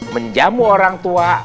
menjamu orang tua